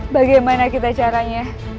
bagaimana kita caranya